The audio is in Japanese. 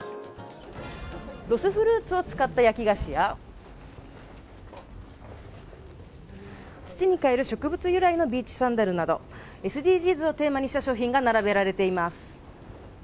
ロスフルーツを使った焼菓子や土に還る植物由来のビーチサンダルなどＳＤＧｓをテーマにした商品が並んでいます。